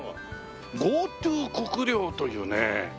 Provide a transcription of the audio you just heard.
「ＧｏＴｏ国領」というね。